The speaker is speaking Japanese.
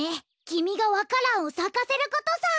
きみがわか蘭をさかせることさ！